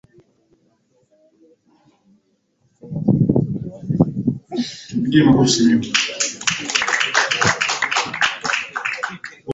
Serikali itahakikisha kwamba kila senti inayoongezeka inatumika vyema